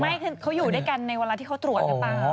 ไม่คือเขาอยู่ด้วยกันในเวลาที่เขาตรวจหรือเปล่า